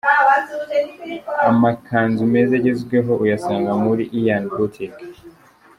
Amakanzu meza agezweho uyasanga muri Ian Boutique.